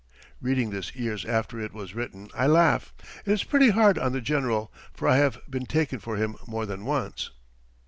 [Reading this years after it was written, I laugh. It is pretty hard on the General, for I have been taken for him more than once.